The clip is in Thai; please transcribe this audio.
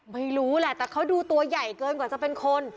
ไม่รู้แหละแต่เขาดูตัวใหญ่เกินกว่าจะเป็นคน